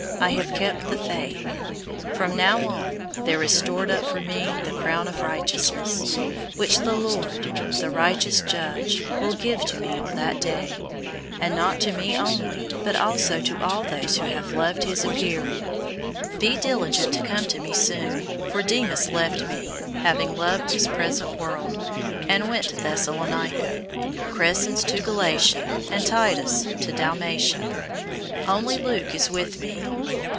I have kept the faith. 004:008 From now on, there is stored up for me the crown of righteousness, which the Lord, the righteous judge, will give to me on that day; and not to me only, but also to all those who have loved his appearing. 004:009 Be diligent to come to me soon, 004:010 for Demas left me, having loved this present world, and went to Thessalonica; Crescens to Galatia, and Titus to Dalmatia. 004:011 Only Luke is with me.